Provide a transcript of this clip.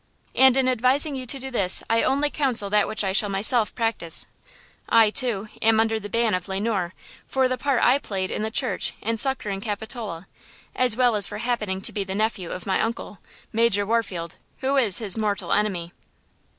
And in advising you to do this I only counsel that which I shall myself practise. I, too, am under the ban of Le Noir for the part I played in the church in succoring Capitola, as well as for happening to be 'the nephew of my uncle,' Major Warfield, who is his mortal enemy."